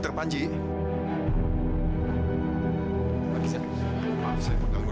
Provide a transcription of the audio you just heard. sempatnya menemukan kancing yang dikatakan aida